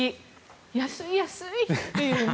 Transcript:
安い、安い！っていうね。